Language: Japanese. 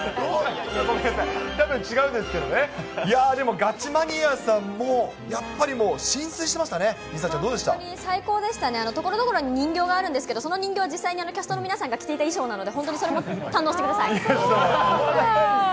たぶん違うんですけどね、でも、もうガチマニアさんも、やっぱりもう、心酔してましたね、梨紗ち最高でしたね、ところどころに人形があるんですけど、その人形、実際にキャストの皆さんが着ていた衣装なので、本当にそれも堪能そうなんだ。